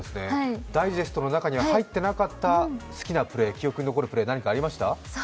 ダイジェストの中には入ってなかった好きなプレー記憶に残るプレー、何かありました？